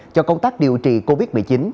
cho công tác điều trị covid một mươi chín